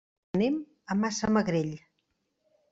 Anem a Massamagrell.